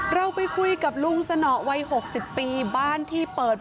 เราไปคุยกับลุงสนอวัย๖๐ปีบ้านที่เปิด